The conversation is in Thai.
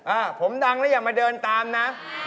ฮะผมดังนะอย่ามาเดินตามนะ